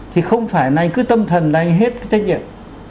thì không phải là anh cứ tâm thần là anh hết trách nhiệm